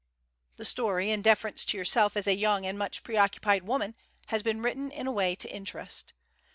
The story, in deference to yourself as a young and much preoccupied woman, has been written in a way to interest.